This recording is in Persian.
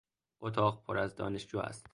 اتاق پر از دانشجو است.